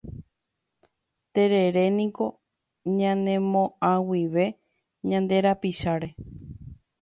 Tereréniko ñanemo'ag̃uive ñande rapicháre.